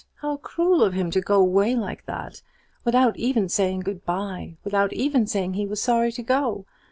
"How cruel of him to go away like that! without even saying good bye, without even saying he was sorry to go.